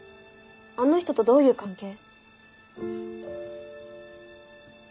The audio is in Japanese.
あの人とどういう関係？